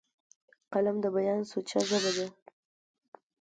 قلم د بیان سوچه ژبه ده